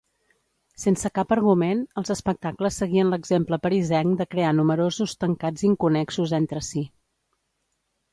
Sense cap argument, els espectacles seguien l'exemple parisenc de crear números tancats inconnexos entre si.